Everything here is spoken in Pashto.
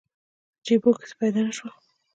جیبو کې څه پیدا نه شول.